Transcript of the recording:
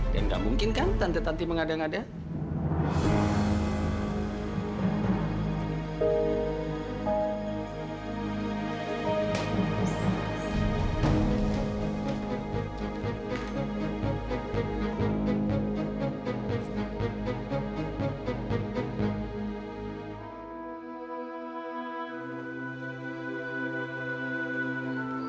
dan nggak mungkin kan tante tanti mengadang adang